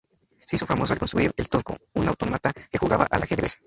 Se hizo famoso al construir "El Turco", un autómata que jugaba al ajedrez.